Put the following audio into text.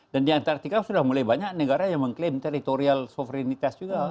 dan di antartika sudah mulai banyak negara yang mengklaim teritorial suverenitas juga